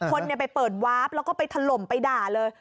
คนไปเปิดวาร์ฟแล้วก็ไปถล่มไปด่าเลย